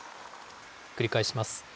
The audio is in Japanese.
繰り返します。